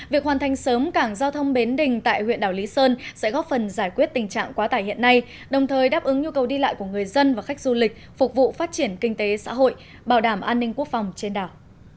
việc hoàn thành sớm cảng giao thông bến đình tại huyện đảo lý sơn sẽ góp phần giải quyết tình trạng quá tải hiện nay đồng thời đáp ứng nhu cầu đi lại của người dân và khách du lịch phục vụ phát triển kinh tế xã hội bảo đảm an ninh quốc phòng trên đảo